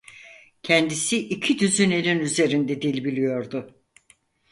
Kendisi iki düzinenin üzerinde dil biliyordu.